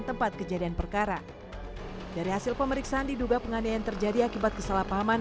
tempat kejadian perkara dari hasil pemeriksaan diduga penganiayaan terjadi akibat kesalahpahaman